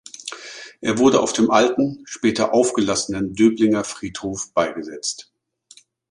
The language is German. Er wurde auf dem alten, später aufgelassenen Döblinger Friedhof beigesetzt.